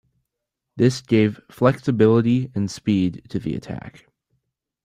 This gave flexibility and speed to the attack.